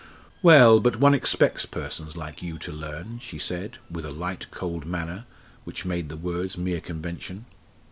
"Well, but one expects persons like you to learn," she said, with a light, cold manner, which made the words mere convention.